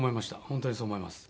本当にそう思います。